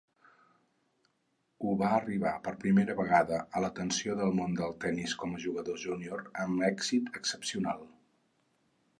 Ho va arribar per primera vegada a l'atenció del món del tennis com a jugador junior amb èxit excepcional.